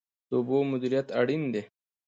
د اوبو مدیریت اړین دی.